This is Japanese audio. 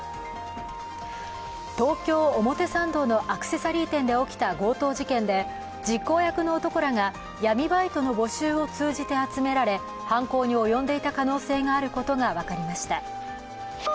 東京・表参道のアクセサリー店で起きた強盗事件で実行役の男らが闇バイトの募集を通じて集められ、犯行に及んでいた可能性があることが分かりました。